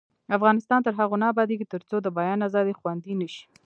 افغانستان تر هغو نه ابادیږي، ترڅو د بیان ازادي خوندي نشي.